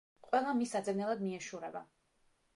ყველა მის საძებნელად მიეშურება.